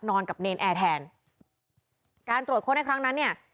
นอนกับเนรนแอร์แทนการตรวจค้นในครั้งนั้นเนี่ย